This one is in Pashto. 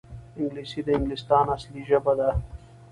انګلیسي د انګلستان اصلي ژبه ده